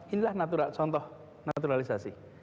inilah contoh naturalisasi